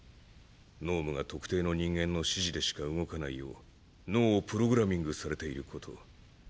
脳無が特定の人間の指示でしか動かないよう脳をプログラミングされている事。